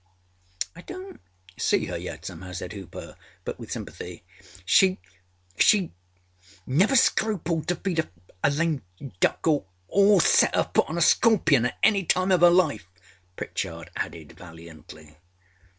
â âI donât see her yet somehow,â said Hooper, but with sympathy. âSheâshe never scrupled to feed a lame duck or set âer foot on a scorpion at any time of âer life,â Pritchard added valiantly.